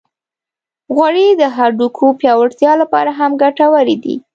غوړې د هډوکو پیاوړتیا لپاره هم ګټورې دي.